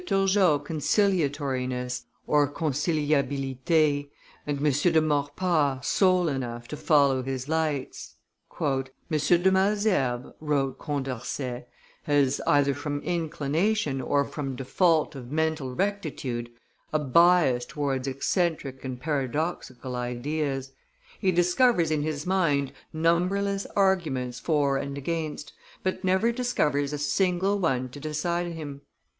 Turgot conciliatoriness (conciliabilite), and M. de Maurepas soul enough to follow his lights." "M. de Malesherbes," wrote Condorcet, "has, either from inclination or from default of mental rectitude, a bias towards eccentric and paradoxical ideas; he discovers in his mind numberless arguments for and against, but never discovers a single one to decide him.